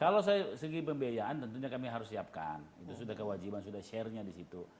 kalau saya segi pembiayaan tentunya kami harus siapkan itu sudah kewajiban sudah share nya di situ